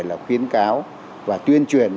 là khuyến cáo và tuyên truyền